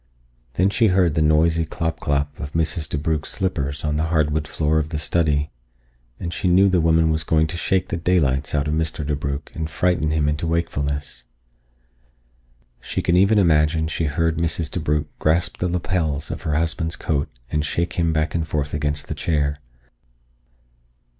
Then she heard the noisy clop clop of Mrs. DeBrugh's slippers on the hardwood floor of the study, and she knew the woman was going to shake the daylights out of Mr. DeBrugh and frighten him into wakefulness. She could even imagine she heard Mrs. DeBrugh grasp the lapels of her husband's coat and shake him back and forth against the chair.